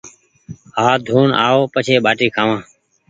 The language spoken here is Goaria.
هآٿ ڌون آو پڇي ٻآٽي کآوآن